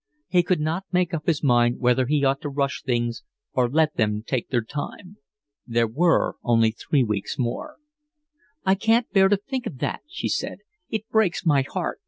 He could not make up his mind whether he ought to rush things or let them take their time. There were only three weeks more. "I can't bear to think of that," she said. "It breaks my heart.